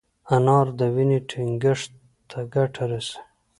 انار د وینې ټينګښت ته ګټه رسوي.